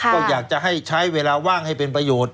ก็อยากจะให้ใช้เวลาว่างให้เป็นประโยชน์